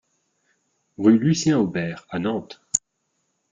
Rue Lucien Aubert à Nantes